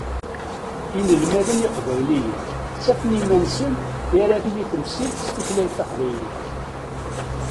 Inelmaden lqbayliyen ttafen iman-nsen mi ara tili temsirt s tutlayt taqbaylit.